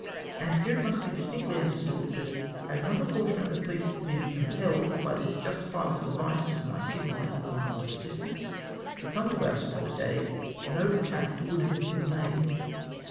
And here it must be distinctly understood, that had not a qjortion of the fleet been comijelled by this justifiable device of my signaling " In ivant of assistance,'' to come to our suij'posed aid, no attach woidd have been made.